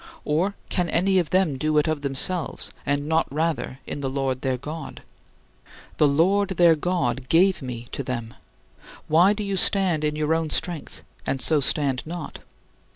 Or can any of them do it of themselves, and not rather in the Lord their God? The Lord their God gave me to them. Why do you stand in your own strength, and so stand not?